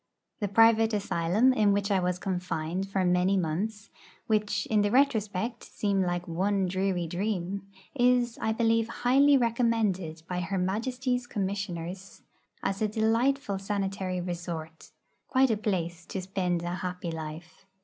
The private asylum in which I was confined for many months, which in the retrospect seem like one dreary dream, is, I believe, highly recommended by Her Majesty's Commissioners as a delightful sanitary resort quite a place to spend 'a happy life.'